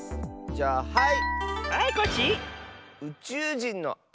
じゃあはい！